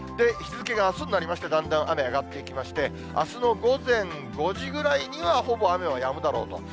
日付があすになりまして、だんだん雨上がっていきまして、あすの午前５時ぐらいには、ほぼ雨はやむだろうと。